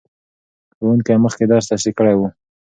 ښوونکی مخکې درس تشریح کړی و.